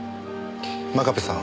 真壁さん